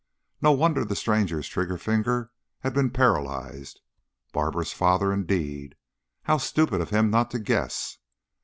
No wonder the stranger's trigger finger had been paralyzed. Barbara's father, indeed! How stupid of him not to guess.